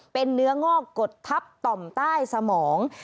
เป็นเนื้องอกกดทับต่อมใต้สมอง